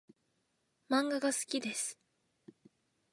漫画が好きです